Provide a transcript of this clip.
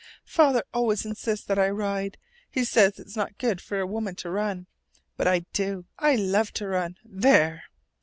"Father always insists that I ride. He says it's not good for a woman to run," she said. "But I do. I love to run. There!"